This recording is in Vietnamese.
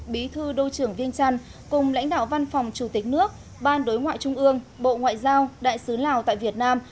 bí thư đô trưởng viên trăn cùng lãnh đạo văn phòng chủ tịch nước ban đối ngoại trung ương bộ ngoại giao đại sứ lào tại việt nam